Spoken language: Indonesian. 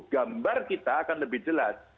gambar kita akan lebih jelas